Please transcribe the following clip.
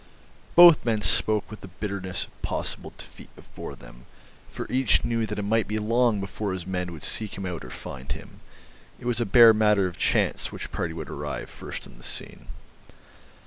Both men spoke with the bitterness of possible defeat before them, for each knew that it might be long before his men would seek him out or find him; it was a bare matter of chance which party would arrive first on the scene.